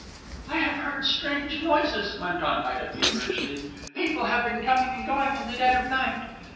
"I have heard strange noises," went on Ida feverishly. "People have been coming and going in the dead of night.